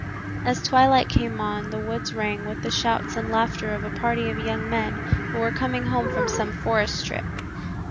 As twilight came on the woods rang with the shouts and laughter of a party of young men who were coming home from some forest trip.